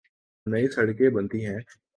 نئی سڑکیں بنتی ہیں۔